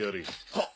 はっ。